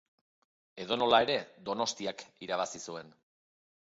Edonola ere, Donostiak irabazi zuen